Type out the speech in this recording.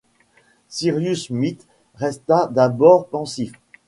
Cyrus Smith resta d’abord pensif